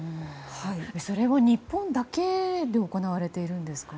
それは日本だけで行われているんですか？